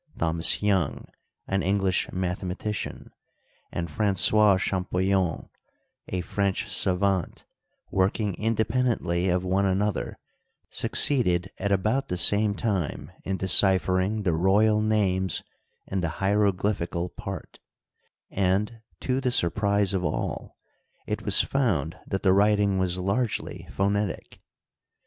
Thomas Young, an English mathematician, and Francois Champollion, a French savant, working independently of one another, succeeded at about the same time in deciphering the royal names in the hieroglyphical part, and, to the surprise of all, it was found that the writing was largely phonetic.